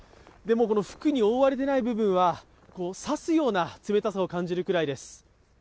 服に覆われていない部分は刺すような冷たさを感じるくらいです。